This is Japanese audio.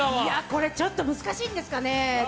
これちょっと難しいんですかね。